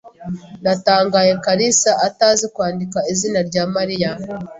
Ndatangaye kalisa atazi kwandika izina rya Mariya.